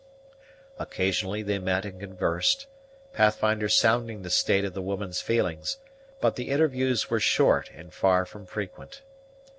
Occasionally they met and conversed, Pathfinder sounding the state of the woman's feelings; but the interviews were short, and far from frequent.